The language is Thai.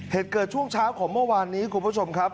เหตุเกิดช่วงเช้าของเมื่อวานนี้คุณผู้ชมครับ